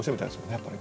やっぱりね。